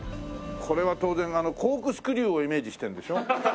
これは当然コークスクリューをイメージしてるんでしょ？